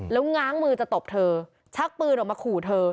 แล้วง้างมือจะตบเธอชักปืนออกมาขู่เธอ